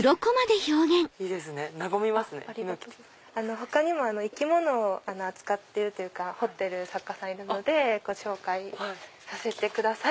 他にも生き物を扱ってるというか彫ってる作家さんいるのでご紹介させてください。